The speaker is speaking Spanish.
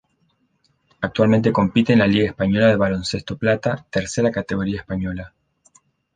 Actualmente compite en la Liga Española de Baloncesto Plata, tercera categoría española.